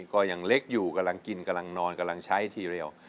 ก็ยังเล็กอยู่กำลังกินกำลังนอนกำลังใช้ทีเรีย